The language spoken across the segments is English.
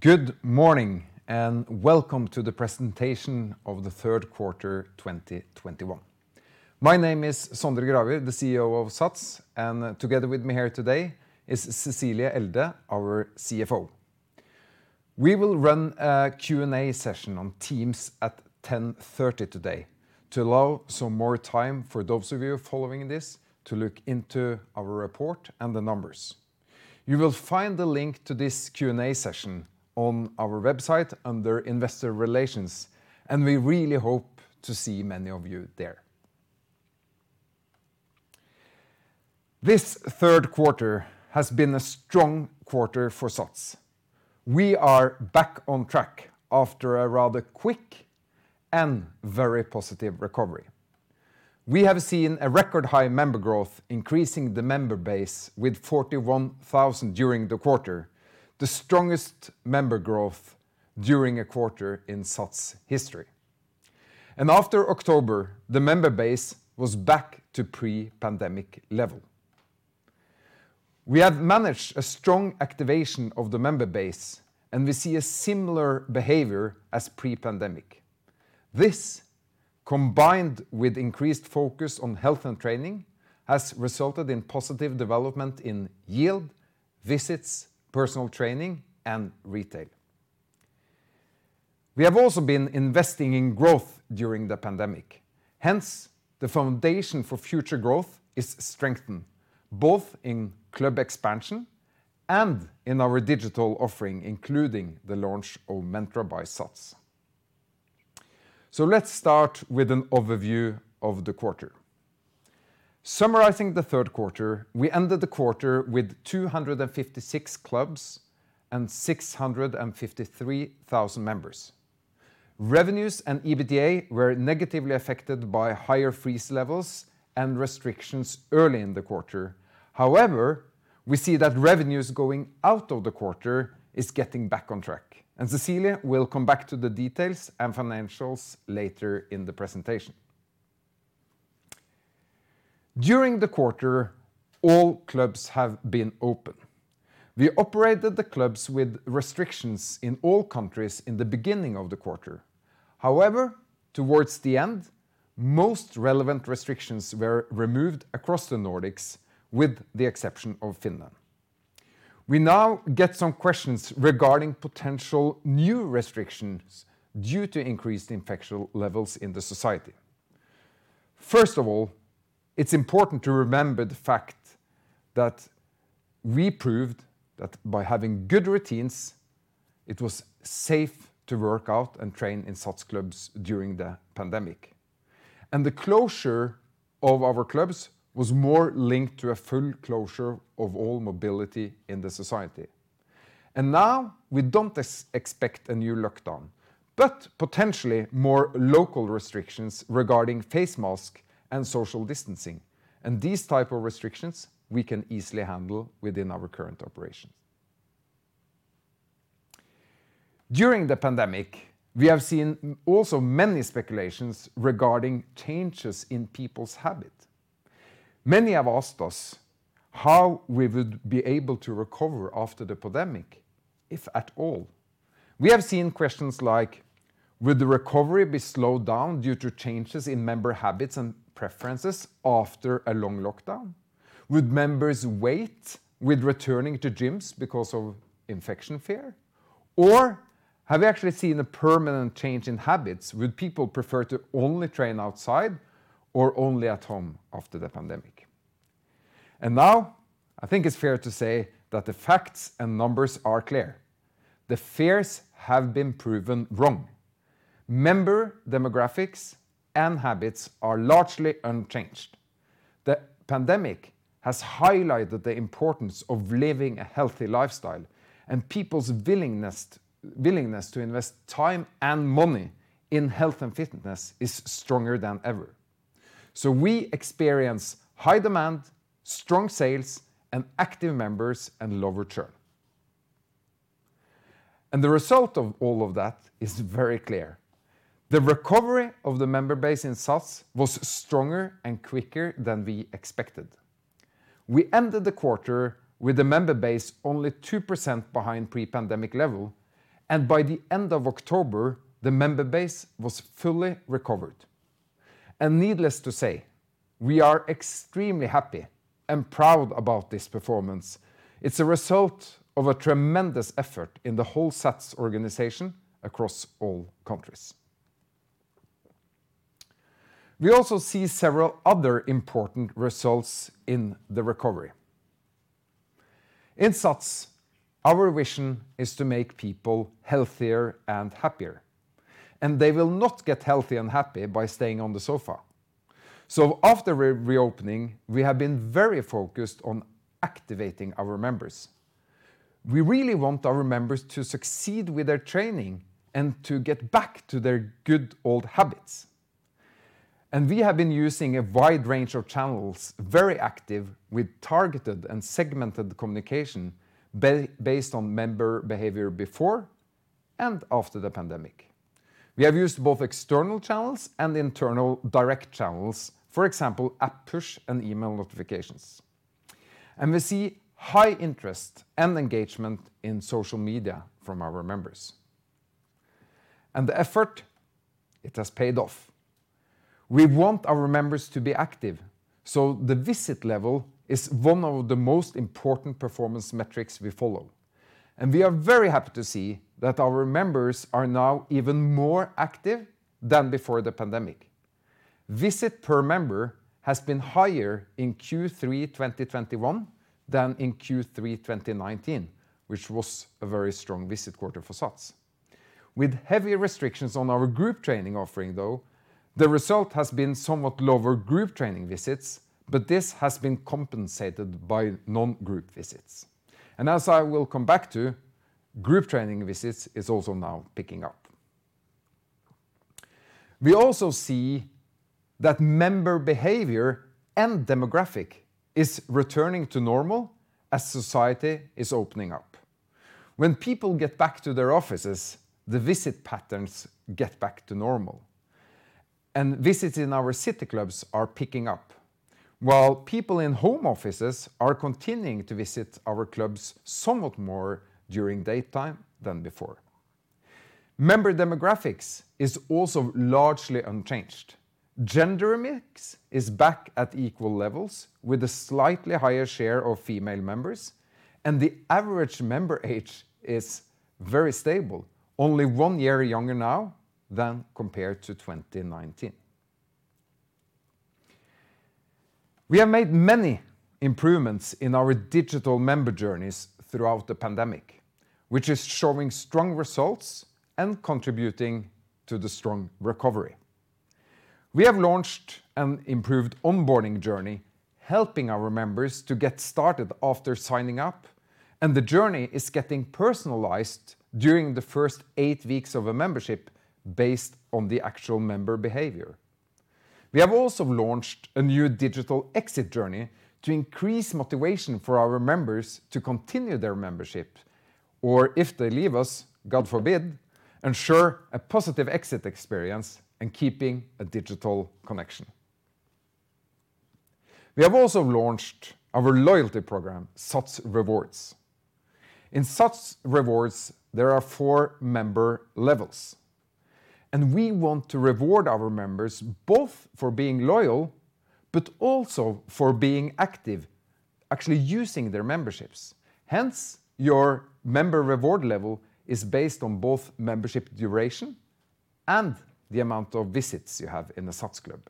Good morning and welcome to the presentation of the Q3 2021. My name is Sondre Gravir, the CEO of SATS, and together with me here today is Cecilie Elde, our CFO. We will run a Q&A session on Teams at 10:30 A.M. today to allow some more time for those of you following this to look into our report and the numbers. You will find the link to this Q&A session on our website under Investor Relations, and we really hope to see many of you there. This Q3 has been a strong quarter for SATS. We are back on track after a rather quick and very positive recovery. We have seen a record high member growth, increasing the member base with 41,000 during the quarter, the strongest member growth during a quarter in SATS history. After October, the member base was back to pre-pandemic level. We have managed a strong activation of the member base, and we see a similar behavior as pre-pandemic. This, combined with increased focus on health and training, has resulted in positive development in yield, visits, personal training, and retail. We have also been investing in growth during the pandemic. Hence, the foundation for future growth is strengthened, both in club expansion and in our digital offering, including the launch of Mentra by SATS. Let's start with an overview of the quarter. Summarizing the Q3, we ended the quarter with 256 clubs and 653,000 members. Revenues and EBITDA were negatively affected by higher freeze levels and restrictions early in the quarter. However, we see that revenue growth out of the quarter is getting back on track, and Cecilie will come back to the details and financials later in the presentation. During the quarter, all clubs have been open. We operated the clubs with restrictions in all countries in the beginning of the quarter. However, towards the end, most relevant restrictions were removed across the Nordics with the exception of Finland. We now get some questions regarding potential new restrictions due to increased infection levels in the society. First of all, it's important to remember the fact that we proved that by having good routines, it was safe to work out and train in SATS clubs during the pandemic. The closure of our clubs was more linked to a full closure of all mobility in the society. Now we don't expect a new lockdown, but potentially more local restrictions regarding face mask and social distancing. These type of restrictions we can easily handle within our current operations. During the pandemic, we have seen also many speculations regarding changes in people's habits. Many have asked us how we would be able to recover after the pandemic, if at all. We have seen questions like, would the recovery be slowed down due to changes in member habits and preferences after a long lockdown? Would members wait with returning to gyms because of infection fear? Or have we actually seen a permanent change in habits? Would people prefer to only train outside or only at home after the pandemic? Now I think it's fair to say that the facts and numbers are clear. The fears have been proven wrong. Member demographics and habits are largely unchanged. The pandemic has highlighted the importance of living a healthy lifestyle, and people's willingness to invest time and money in health and fitness is stronger than ever. We experience high demand, strong sales, and active members and low churn. The result of all of that is very clear. The recovery of the member base in SATS was stronger and quicker than we expected. We ended the quarter with the member base only 2% behind pre-pandemic level, and by the end of October, the member base was fully recovered. Needless to say, we are extremely happy and proud about this performance. It's a result of a tremendous effort in the whole SATS organization across all countries. We also see several other important results in the recovery. In SATS, our vision is to make people healthier and happier, and they will not get healthy and happy by staying on the sofa. After reopening, we have been very focused on activating our members. We really want our members to succeed with their training and to get back to their good old habits. We have been using a wide range of channels, very active with targeted and segmented communication based on member behavior before and after the pandemic. We have used both external channels and internal direct channels. For example, app push and email notifications. We see high interest and engagement in social media from our members. The effort, it has paid off. We want our members to be active, so the visit level is one of the most important performance metrics we follow. We are very happy to see that our members are now even more active than before the pandemic. Visits per member has been higher in Q3 2021 than in Q3 2019, which was a very strong visit quarter for SATS. With heavy restrictions on our group training offering, though, the result has been somewhat lower group training visits, but this has been compensated by non-group visits. As I will come back to, group training visits is also now picking up. We also see that member behavior and demographic is returning to normal as society is opening up. When people get back to their offices, the visit patterns get back to normal, and visits in our city clubs are picking up, while people in home offices are continuing to visit our clubs somewhat more during daytime than before. Member demographics is also largely unchanged. Gender mix is back at equal levels, with a slightly higher share of female members, and the average member age is very stable, only one year younger now than compared to 2019. We have made many improvements in our digital member journeys throughout the pandemic, which is showing strong results and contributing to the strong recovery. We have launched an improved onboarding journey, helping our members to get started after signing up, and the journey is getting personalized during the first eight weeks of a membership based on the actual member behavior. We have also launched a new digital exit journey to increase motivation for our members to continue their membership, or if they leave us, God forbid, ensure a positive exit experience and keeping a digital connection. We have also launched our loyalty program, SATS Rewards. In SATS Rewards, there are four member levels, and we want to reward our members both for being loyal but also for being active, actually using their memberships. Hence, your member reward level is based on both membership duration and the amount of visits you have in the SATS club.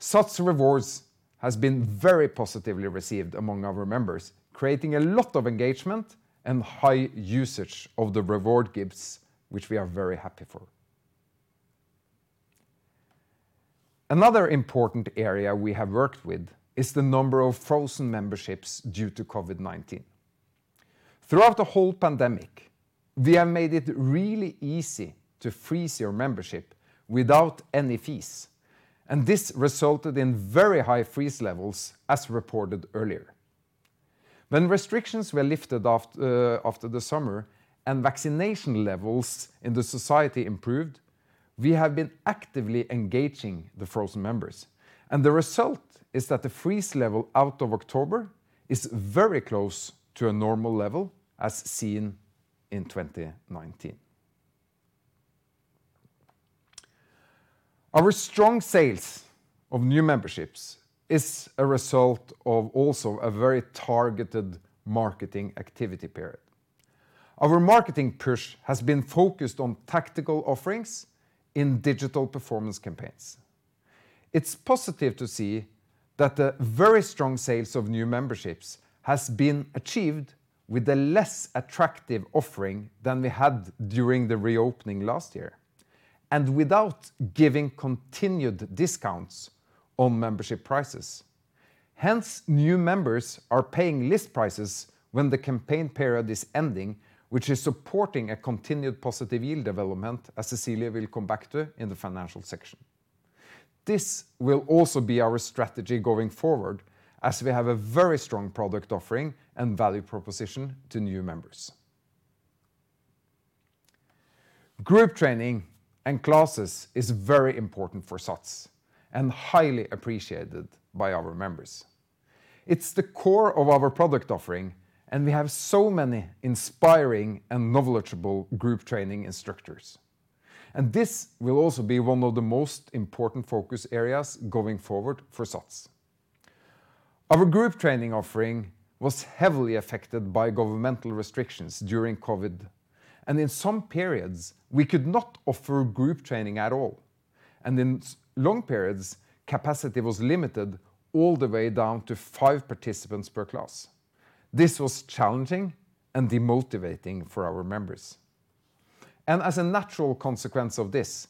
SATS Rewards has been very positively received among our members, creating a lot of engagement and high usage of the reward gifts, which we are very happy for. Another important area we have worked with is the number of frozen memberships due to COVID-19. Throughout the whole pandemic, we have made it really easy to freeze your membership without any fees, and this resulted in very high freeze levels, as reported earlier. When restrictions were lifted after the summer and vaccination levels in the society improved, we have been actively engaging the frozen members, and the result is that the freeze level out of October is very close to a normal level, as seen in 2019. Our strong sales of new memberships is a result of also a very targeted marketing activity period. Our marketing push has been focused on tactical offerings in digital performance campaigns. It's positive to see that the very strong sales of new memberships has been achieved with a less attractive offering than we had during the reopening last year and without giving continued discounts on membership prices. Hence, new members are paying list prices when the campaign period is ending, which is supporting a continued positive yield development, as Cecilie will come back to in the financial section. This will also be our strategy going forward, as we have a very strong product offering and value proposition to new members. Group training and classes is very important for SATS and highly appreciated by our members. It's the core of our product offering, and we have so many inspiring and knowledgeable group training instructors. This will also be one of the most important focus areas going forward for SATS. Our group training offering was heavily affected by governmental restrictions during COVID, and in some periods, we could not offer group training at all, and in long periods, capacity was limited all the way down to five participants per class. This was challenging and demotivating for our members. As a natural consequence of this,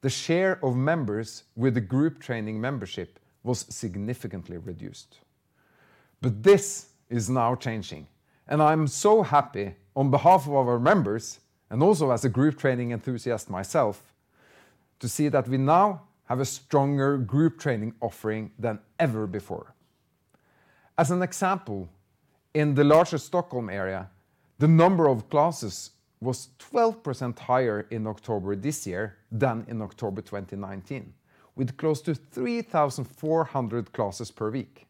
the share of members with a group training membership was significantly reduced. This is now changing, and I'm so happy on behalf of our members, and also as a group training enthusiast myself, to see that we now have a stronger group training offering than ever before. As an example, in the larger Stockholm area, the number of classes was 12% higher in October this year than in October 2019, with close to 3,400 classes per week.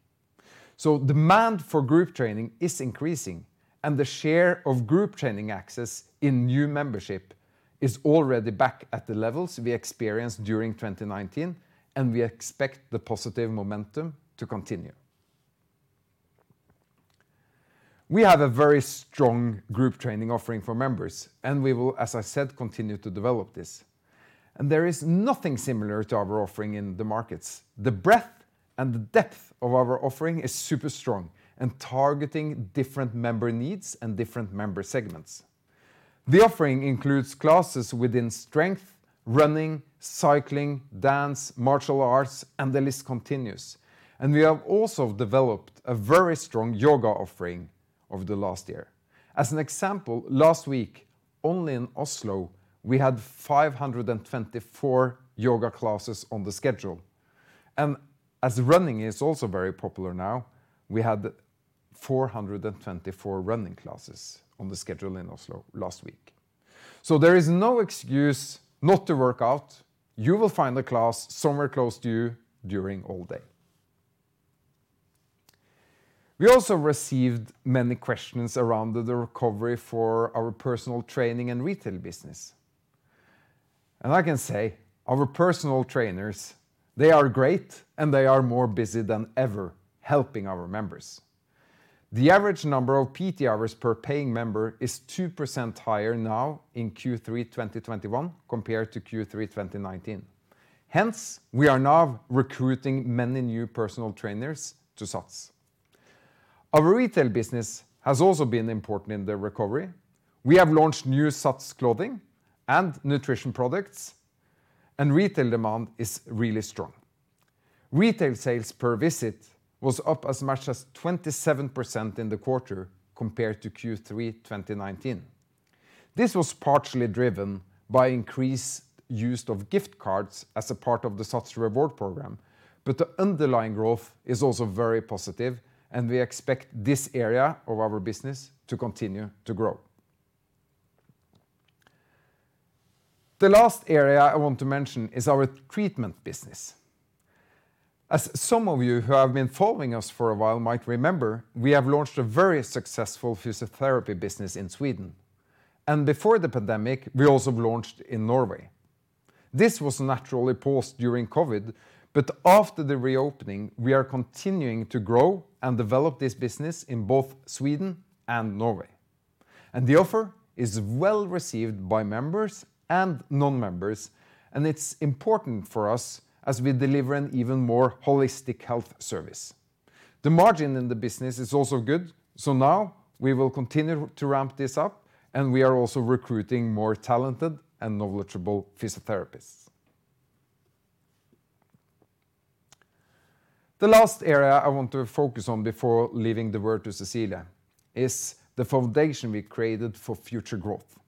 Demand for group training is increasing, and the share of group training access in new membership is already back at the levels we experienced during 2019, and we expect the positive momentum to continue. We have a very strong group training offering for members, and we will, as I said, continue to develop this. There is nothing similar to our offering in the markets. The breadth and the depth of our offering is super strong and targeting different member needs and different member segments. The offering includes classes within strength, running, cycling, dance, martial arts, and the list continues. We have also developed a very strong yoga offering over the last year. As an example, last week, only in Oslo, we had 524 yoga classes on the schedule. As running is also very popular now, we had 424 running classes on the schedule in Oslo last week. There is no excuse not to work out. You will find a class somewhere close to you during all day. We also received many questions around the recovery for our personal training and retail business. I can say our personal trainers, they are great, and they are more busy than ever helping our members. The average number of PT hours per paying member is 2% higher now in Q3 2021 compared to Q3 2019. Hence, we are now recruiting many new personal trainers to SATS. Our retail business has also been important in the recovery. We have launched new SATS clothing and nutrition products, and retail demand is really strong. Retail sales per visit was up as much as 27% in the quarter compared to Q3 2019. This was partially driven by increased use of gift cards as a part of the SATS Rewards program, but the underlying growth is also very positive, and we expect this area of our business to continue to grow. The last area I want to mention is our treatment business. As some of you who have been following us for a while might remember, we have launched a very successful physiotherapy business in Sweden. Before the pandemic, we also launched in Norway. This was naturally paused during COVID, but after the reopening, we are continuing to grow and develop this business in both Sweden and Norway. The offer is well received by members and non-members, and it's important for us as we deliver an even more holistic health service. The margin in the business is also good, so now we will continue to ramp this up, and we are also recruiting more talented and knowledgeable physiotherapists. The last area I want to focus on before leaving the word to Cecilie is the foundation we created for future growth.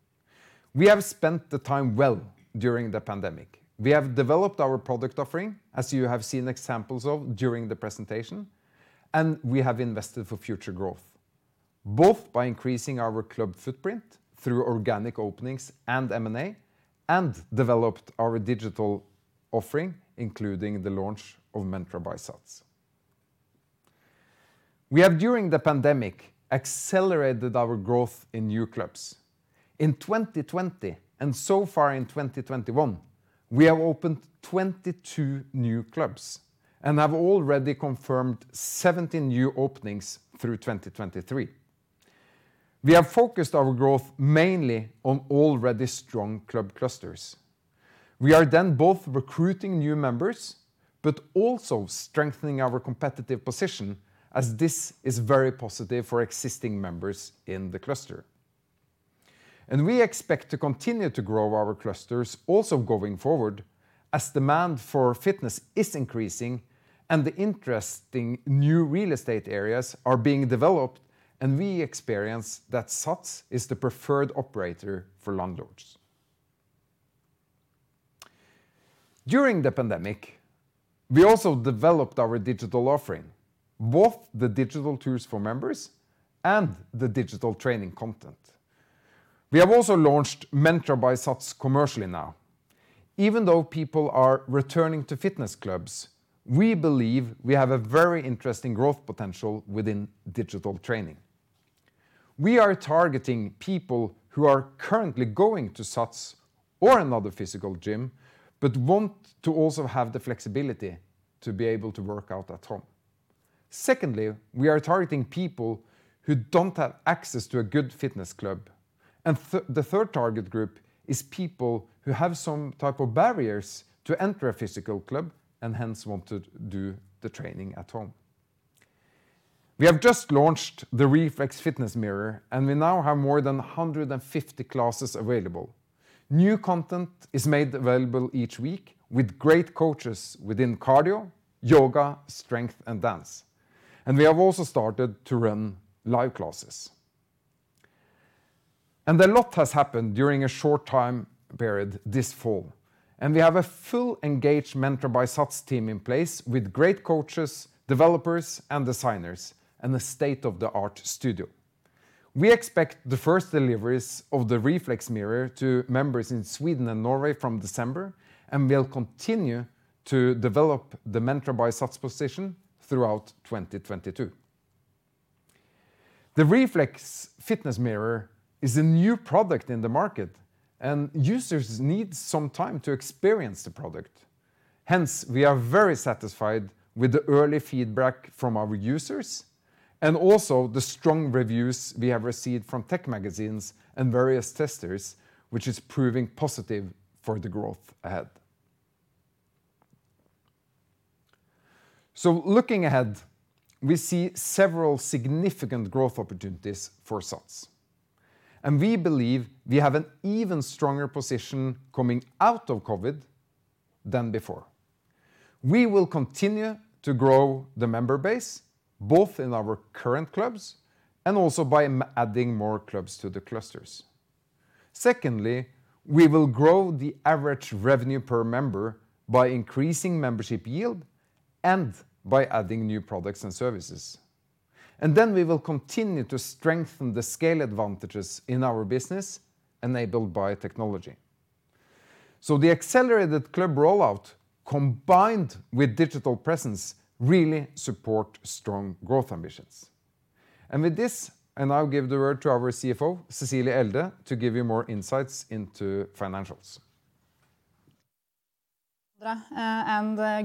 We have spent the time well during the pandemic. We have developed our product offering, as you have seen examples of during the presentation, and we have invested for future growth, both by increasing our club footprint through organic openings and M&A, and developed our digital offering, including the launch of Mentra by SATS. We have, during the pandemic, accelerated our growth in new clubs. In 2020 and so far in 2021, we have opened 22 new clubs and have already confirmed 17 new openings through 2023. We have focused our growth mainly on already strong club clusters. We are then both recruiting new members, but also strengthening our competitive position as this is very positive for existing members in the cluster. We expect to continue to grow our clusters also going forward as demand for fitness is increasing and the interesting new real estate areas are being developed, and we experience that SATS is the preferred operator for landlords. During the pandemic, we also developed our digital offering, both the digital tools for members and the digital training content. We have also launched Mentra by SATS commercially now. Even though people are returning to fitness clubs, we believe we have a very interesting growth potential within digital training. We are targeting people who are currently going to SATS or another physical gym, but want to also have the flexibility to be able to work out at home. Secondly, we are targeting people who don't have access to a good fitness club. The third target group is people who have some type of barriers to enter a physical club and hence want to do the training at home. We have just launched the Rflex Fitness Mirror, and we now have more than 150 classes available. New content is made available each week with great coaches within cardio, yoga, strength, and dance. We have also started to run live classes. A lot has happened during a short time period this fall, and we have a fully engaged Mentra by SATS team in place with great coaches, developers and designers and a state-of-the-art studio. We expect the first deliveries of the Rflex mirror to members in Sweden and Norway from December, and we'll continue to develop the Mentra by SATS position throughout 2022. The Rflex Fitness Mirror is a new product in the market, and users need some time to experience the product. Hence, we are very satisfied with the early feedback from our users and also the strong reviews we have received from tech magazines and various testers, which is proving positive for the growth ahead. Looking ahead, we see several significant growth opportunities for SATS, and we believe we have an even stronger position coming out of COVID than before. We will continue to grow the member base, both in our current clubs and also by adding more clubs to the clusters. Secondly, we will grow the average revenue per member by increasing membership yield and by adding new products and services. We will continue to strengthen the scale advantages in our business enabled by technology. The accelerated club rollout, combined with digital presence, really support strong growth ambitions. With this, I'll give the word to our CFO, Cecilie Elde, to give you more insights into financials.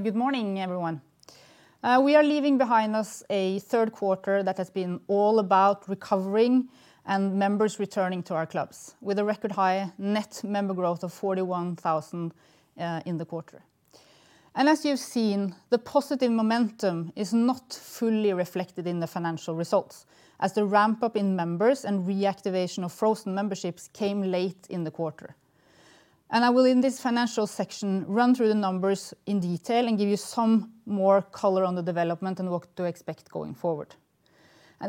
Good morning, everyone. We are leaving behind us a Q3 that has been all about recovering and members returning to our clubs with a record high net member growth of 41,000 in the quarter. As you've seen, the positive momentum is not fully reflected in the financial results as the ramp-up in members and reactivation of frozen memberships came late in the quarter. I will, in this financial section, run through the numbers in detail and give you some more color on the development and what to expect going forward.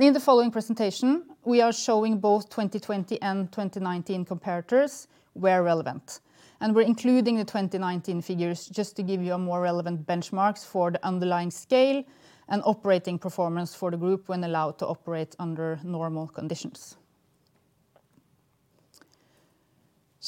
In the following presentation, we are showing both 2020 and 2019 comparators where relevant, and we're including the 2019 figures just to give you a more relevant benchmarks for the underlying scale and operating performance for the group when allowed to operate under normal conditions.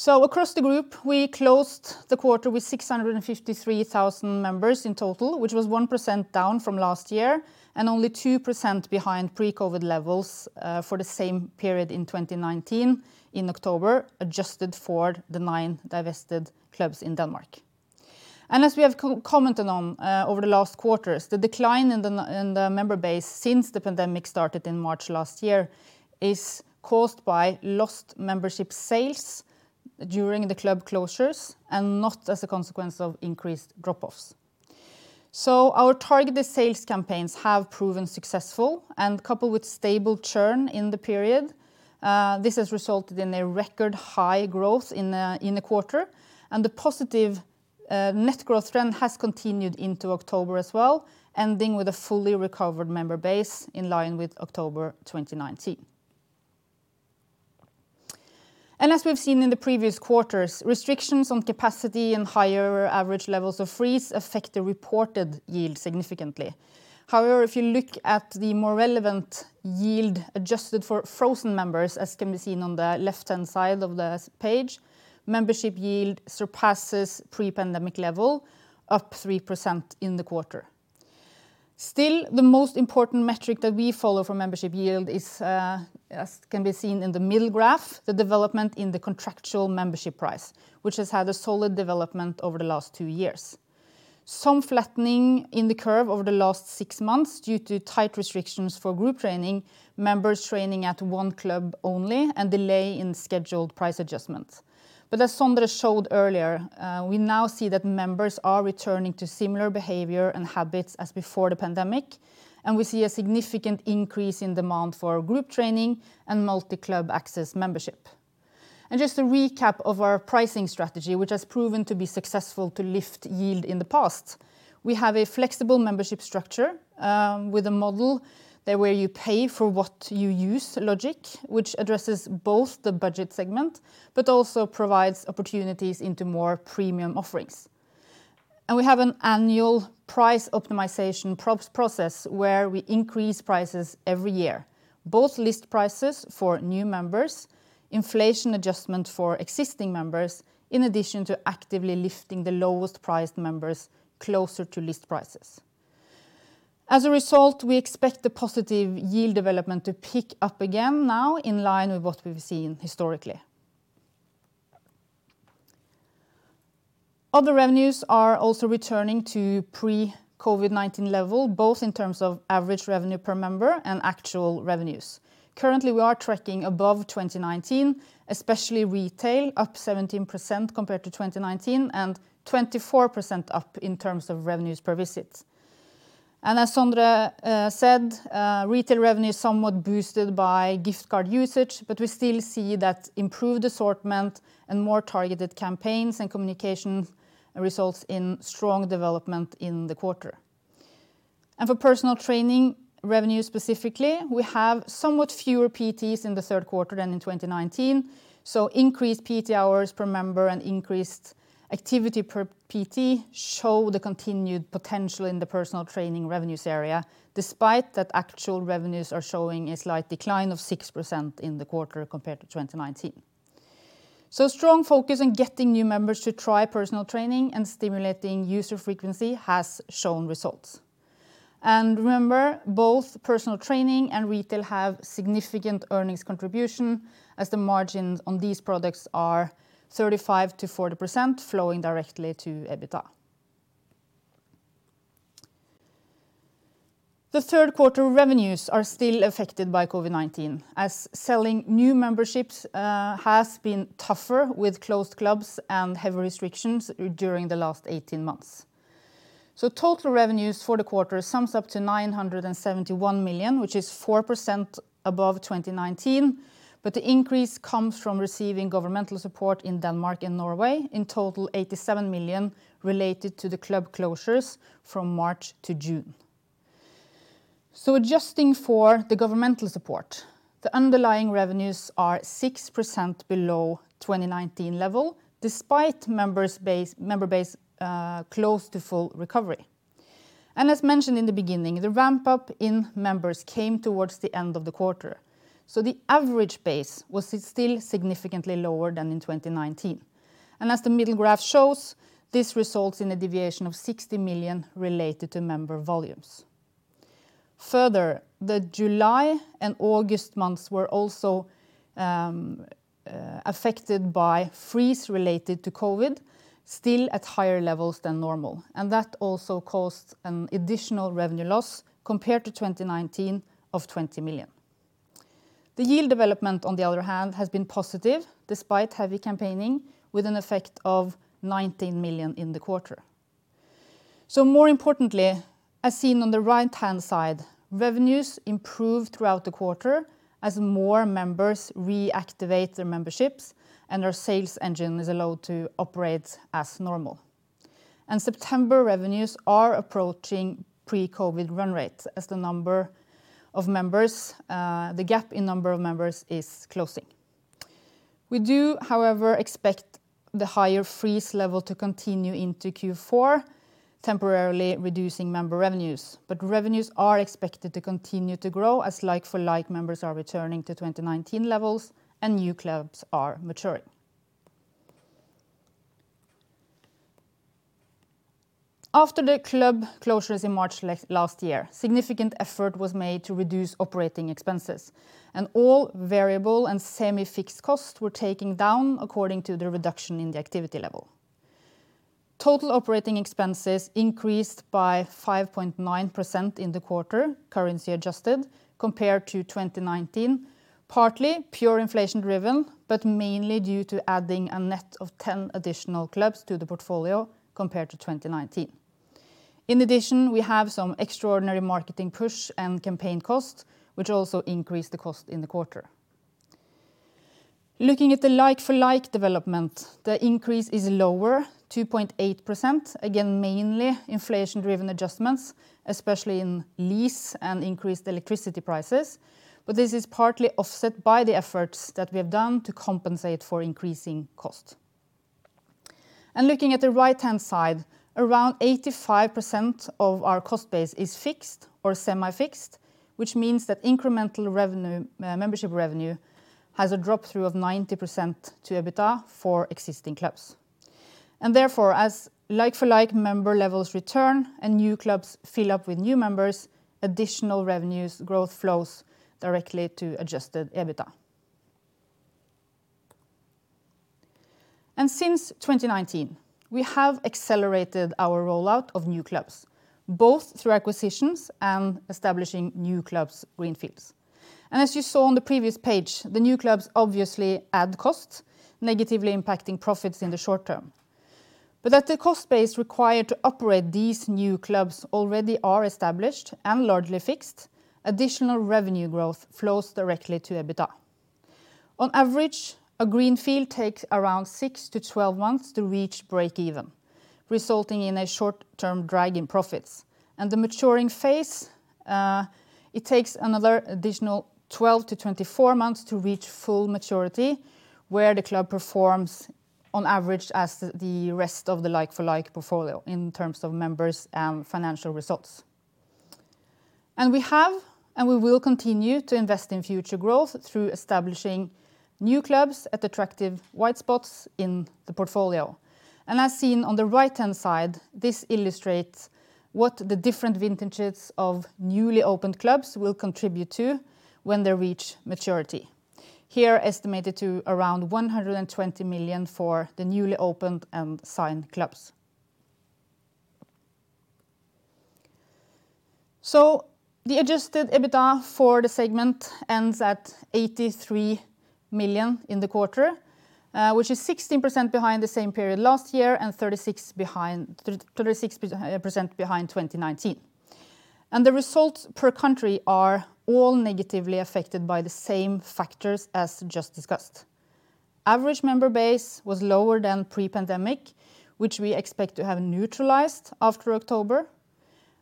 Across the group, we closed the quarter with 653,000 members in total, which was 1% down from last year and only 2% behind pre-COVID levels for the same period in 2019 in October, adjusted for the 9 divested clubs in Denmark. As we have commented on over the last quarters, the decline in the member base since the pandemic started in March last year is caused by lost membership sales during the club closures and not as a consequence of increased drop-offs. Our targeted sales campaigns have proven successful, and coupled with stable churn in the period, this has resulted in a record high growth in the quarter, and the positive net growth trend has continued into October as well, ending with a fully recovered member base in line with October 2019. As we've seen in the previous quarters, restrictions on capacity and higher average levels of freeze affect the reported yield significantly. However, if you look at the more relevant yield adjusted for frozen members, as can be seen on the left-hand side of the slide page, membership yield surpasses pre-pandemic level, up 3% in the quarter. Still, the most important metric that we follow for membership yield is, as can be seen in the middle graph, the development in the contractual membership price, which has had a solid development over the last two years, some flattening in the curve over the last six months due to tight restrictions for group training, members training at one club only, and delay in scheduled price adjustments. As Sondre showed earlier, we now see that members are returning to similar behavior and habits as before the pandemic, and we see a significant increase in demand for group training and multi-club access membership. Just a recap of our pricing strategy, which has proven to be successful to lift yield in the past. We have a flexible membership structure with a model where you pay for what you use logic, which addresses both the budget segment but also provides opportunities into more premium offerings. We have an annual price optimization process where we increase prices every year, both list prices for new members, inflation adjustment for existing members, in addition to actively lifting the lowest priced members closer to list prices. As a result, we expect the positive yield development to pick up again now in line with what we've seen historically. Other revenues are also returning to pre-COVID-19 level, both in terms of average revenue per member and actual revenues. Currently, we are tracking above 2019, especially retail, up 17% compared to 2019 and 24% up in terms of revenues per visit. As Sondre said, retail revenue is somewhat boosted by gift card usage, but we still see that improved assortment and more targeted campaigns and communication results in strong development in the quarter. For personal training revenue specifically, we have somewhat fewer PTs in the Q3 than in 2019. Increased PT hours per member and increased activity per PT show the continued potential in the personal training revenues area, despite that actual revenues are showing a slight decline of 6% in the quarter compared to 2019. Strong focus on getting new members to try personal training and stimulating user frequency has shown results. Remember, both personal training and retail have significant earnings contribution as the margins on these products are 35%-40% flowing directly to EBITDA. The Q3 revenues are still affected by COVID-19, as selling new memberships has been tougher with closed clubs and heavy restrictions during the last 18 months. Total revenues for the quarter sum up to 971 million, which is 4% above 2019, but the increase comes from receiving governmental support in Denmark and Norway, in total 87 million related to the club closures from March to June. Adjusting for the governmental support, the underlying revenues are 6% below 2019 level, despite member base close to full recovery. As mentioned in the beginning, the ramp-up in members came towards the end of the quarter. The average base was still significantly lower than in 2019. As the middle graph shows, this results in a deviation of 60 million related to member volumes. Further, the July and August months were also affected by freeze related to COVID, still at higher levels than normal. That also caused an additional revenue loss compared to 2019 of 20 million. The yield development, on the other hand, has been positive despite heavy campaigning, with an effect of 19 million in the quarter. More importantly, as seen on the right-hand side, revenues improved throughout the quarter as more members reactivate their memberships and our sales engine is allowed to operate as normal. September revenues are approaching pre-COVID run rates as the number of members, the gap in number of members is closing. We do, however, expect the higher freeze level to continue into Q4, temporarily reducing member revenues. Revenues are expected to continue to grow as like-for-like members are returning to 2019 levels and new clubs are maturing. After the club closures in March last year, significant effort was made to reduce operating expenses, and all variable and semi-fixed costs were taken down according to the reduction in the activity level. Total operating expenses increased by 5.9% in the quarter, currency adjusted, compared to 2019, partly purely inflation-driven, but mainly due to adding a net of 10 additional clubs to the portfolio compared to 2019. In addition, we have some extraordinary marketing push and campaign costs, which also increased the cost in the quarter. Looking at the like-for-like development, the increase is lower, 2.8%, again, mainly inflation-driven adjustments, especially in lease and increased electricity prices. This is partly offset by the efforts that we have done to compensate for increasing cost. Looking at the right-hand side, around 85% of our cost base is fixed or semi-fixed, which means that incremental revenue, membership revenue has a flow-through of 90% to EBITDA for existing clubs. Therefore, as like-for-like member levels return and new clubs fill up with new members, additional revenue growth flows directly to adjusted EBITDA. Since 2019, we have accelerated our rollout of new clubs, both through acquisitions and establishing new clubs greenfield. As you saw on the previous page, the new clubs obviously add cost, negatively impacting profits in the short term. The cost base required to operate these new clubs already are established and largely fixed, additional revenue growth flows directly to EBITDA. On average, a greenfield takes around 6-12 months to reach break even, resulting in a short-term drag in profits. The maturing phase, it takes another additional 12-24 months to reach full maturity, where the club performs on average as the rest of the like-for-like portfolio in terms of members and financial results. We will continue to invest in future growth through establishing new clubs at attractive white spots in the portfolio. As seen on the right-hand side, this illustrates what the different vintages of newly opened clubs will contribute to when they reach maturity. Here, estimated to around 120 million for the newly opened and signed clubs. The adjusted EBITDA for the segment ends at 83 million in the quarter, which is 16% behind the same period last year and 36% behind 2019. The results per country are all negatively affected by the same factors as just discussed. Average member base was lower than pre-pandemic, which we expect to have neutralized after October.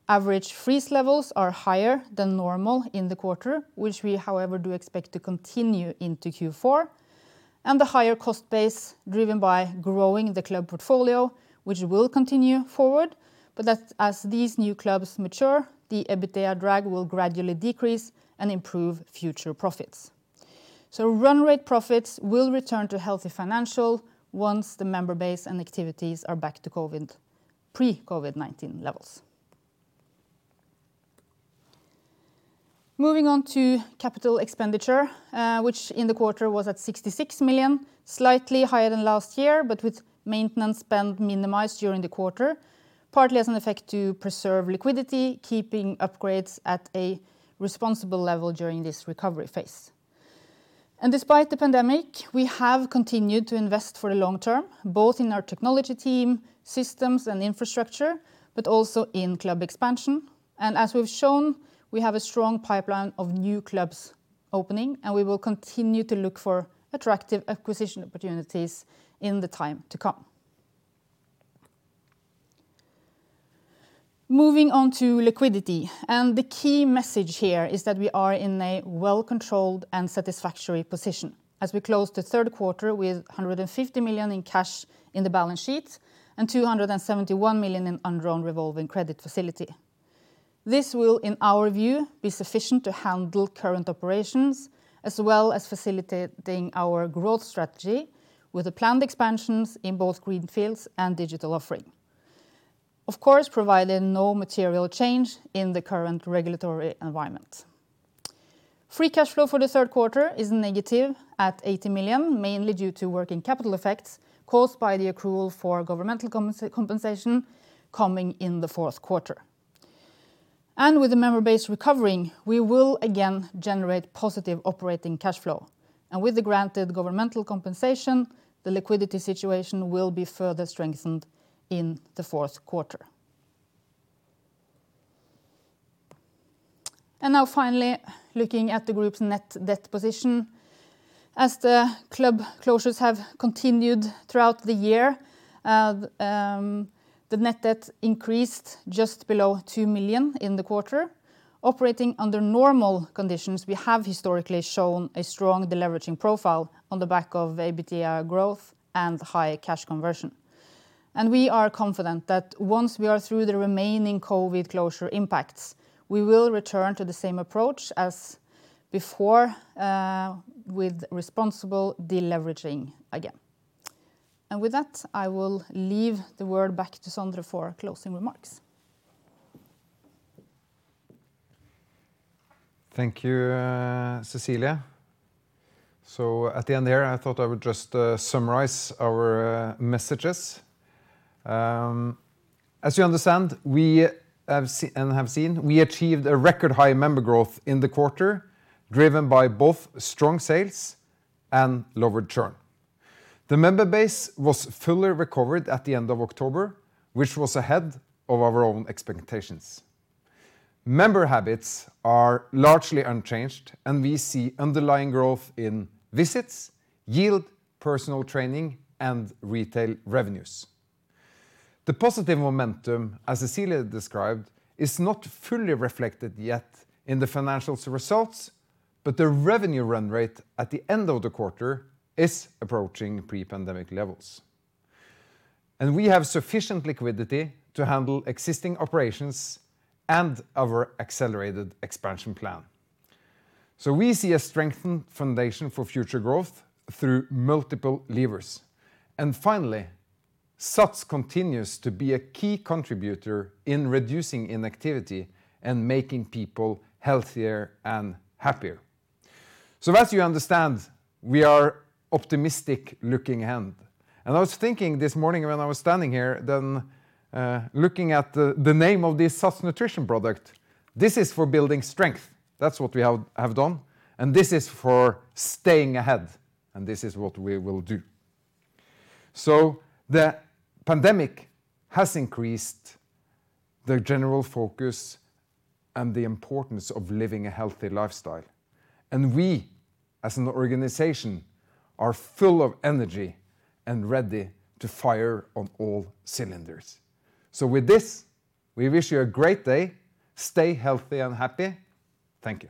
Average freeze levels are higher than normal in the quarter, which we, however, do expect to continue into Q4. The higher cost base driven by growing the club portfolio, which will continue forward. As these new clubs mature, the EBITDA drag will gradually decrease and improve future profits. Run rate profits will return to healthy financial once the member base and activities are back to pre-COVID-19 levels. Moving on to capital expenditure, which in the quarter was at 66 million, slightly higher than last year, but with maintenance spend minimized during the quarter, partly as an effect to preserve liquidity, keeping upgrades at a responsible level during this recovery phase. Despite the pandemic, we have continued to invest for the long term, both in our technology team, systems and infrastructure, but also in club expansion. As we've shown, we have a strong pipeline of new clubs opening, and we will continue to look for attractive acquisition opportunities in the time to come. Moving on to liquidity, and the key message here is that we are in a well-controlled and satisfactory position as we close the Q3 with 150 million in cash in the balance sheet and 271 million in undrawn revolving credit facility. This will, in our view, be sufficient to handle current operations as well as facilitating our growth strategy with the planned expansions in both greenfields and digital offering. Of course, provided no material change in the current regulatory environment. Free cash flow for the Q3 is negative at 80 million, mainly due to working capital effects caused by the accrual for governmental compensation coming in the Q4. With the member base recovering, we will again generate positive operating cash flow. With the granted governmental compensation, the liquidity situation will be further strengthened in the Q4. Now finally, looking at the group's net debt position. As the club closures have continued throughout the year, the net debt increased just below 2 million in the quarter. Operating under normal conditions, we have historically shown a strong deleveraging profile on the back of EBITDA growth and high cash conversion. We are confident that once we are through the remaining COVID closure impacts, we will return to the same approach as before, with responsible deleveraging again. With that, I will leave the word back to Sondre for closing remarks. Thank you, Cecilie. At the end there, I thought I would just summarize our messages. As you understand, we have seen, we achieved a record high member growth in the quarter, driven by both strong sales and lower churn. The member base was fully recovered at the end of October, which was ahead of our own expectations. Member habits are largely unchanged, and we see underlying growth in visits, yield, personal training, and retail revenues. The positive momentum, as Cecilie described, is not fully reflected yet in the financial results, but the revenue run rate at the end of the quarter is approaching pre-pandemic levels. We have sufficient liquidity to handle existing operations and our accelerated expansion plan. We see a strengthened foundation for future growth through multiple levers. Finally, SATS continues to be a key contributor in reducing inactivity and making people healthier and happier. As you understand, we are optimistic looking ahead. I was thinking this morning when I was standing here, looking at the name of this SATS Nutrition product, this is for building strength. That's what we have done. This is for staying ahead, and this is what we will do. The pandemic has increased the general focus and the importance of living a healthy lifestyle. We, as an organization, are full of energy and ready to fire on all cylinders. With this, we wish you a great day. Stay healthy and happy. Thank you.